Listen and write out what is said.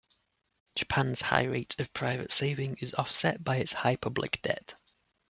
Japan's high rate of private saving is offset by its high public debt.